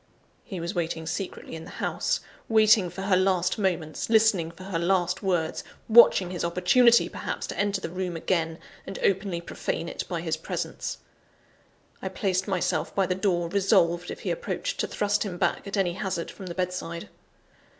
He was waiting secretly in the house waiting for her last moments; listening for her last words; watching his opportunity, perhaps, to enter the room again, and openly profane it by his presence! I placed myself by the door, resolved, if he approached, to thrust him back, at any hazard, from the bedside.